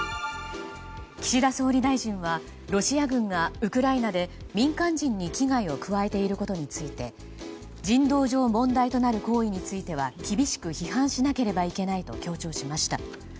岸田総理大臣はロシア軍がウクライナで民間人に危害を加えていることについて人道上問題となる行為については厳しく批判しなければいけないと強調しました。